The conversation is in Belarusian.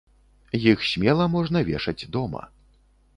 Іх смела можна вешаць дома.